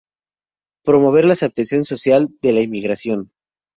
Promover la aceptación social de la emigración.